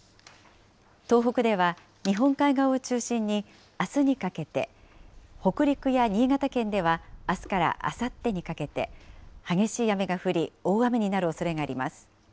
東北では日本海側を中心にあすにかけて、北陸や新潟県ではあすからあさってにかけて、激しい雨が降り、大雨になるおそれがあります。